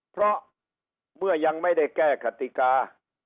เพราะเมื่อยังไม่ได้แก้กติกา